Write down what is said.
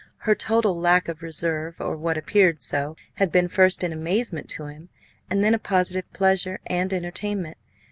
Her total lack of reserve, or what appeared so, had been first an amazement to him, and then a positive pleasure and entertainment.